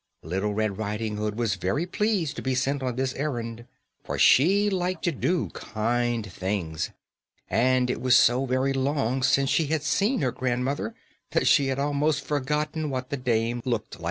Little Red Riding Hood was very pleased to be sent on this errand, for she liked to do kind things, and it was so very long since she had seen her grandmother that she had almost forgotten what the dame looked like.